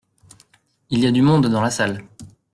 Il y a du monde dans la salle.